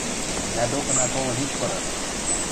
Мӓ докына толын ит пыры!